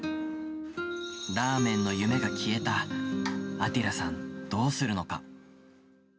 ラーメンの夢が消えたアティラさん、どうするのか。